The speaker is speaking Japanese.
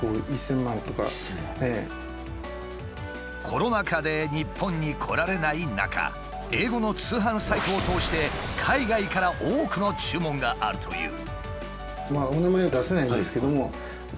コロナ禍で日本に来られない中英語の通販サイトを通して海外から多くの注文があるという。